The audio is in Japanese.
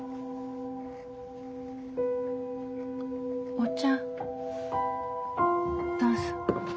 お茶どうぞ。